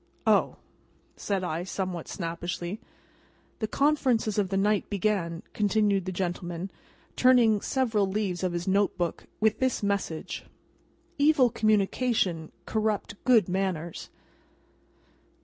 "O!" said I, somewhat snappishly. "The conferences of the night began," continued the gentleman, turning several leaves of his note book, "with this message: 'Evil communications corrupt good manners.